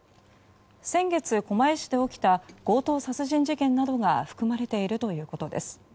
先月、狛江市で起きた強盗殺人事件などが含まれているということです。